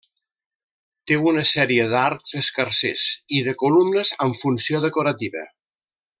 Té una sèrie d'arcs escarsers i de columnes amb funció decorativa.